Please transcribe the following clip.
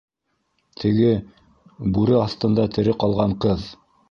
- Теге... бүре аҫтында тере ҡалған ҡыҙ!